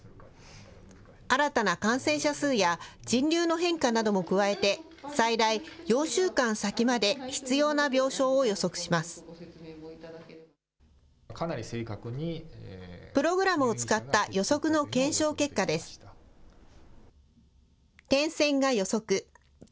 新たな感染者数や人流の変化なども加えて、最大４週間先まで必要な病床を予測します。